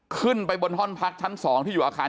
ขึ้นไปบนห้อนพักทั้ง๒